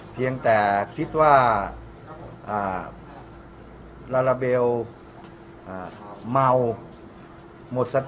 เพียงแต่คิดว่าลาลาเบลเมาหมดสติ